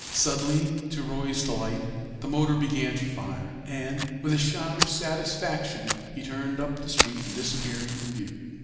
Suddenly, to Roy's delight, the motor began to fire, and, with a shout of satisfaction, he turned up the street and disappeared from view.